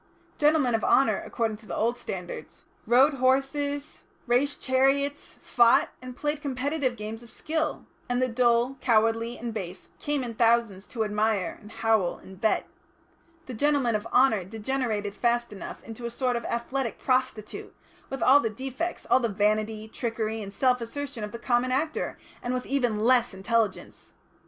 Gentlemen of honour, according to the old standards, rode horses, raced chariots, fought, and played competitive games of skill, and the dull, cowardly and base came in thousands to admire, and howl, and bet. The gentlemen of honour degenerated fast enough into a sort of athletic prostitute, with all the defects, all the vanity, trickery, and self assertion of the common actor, and with even less intelligence.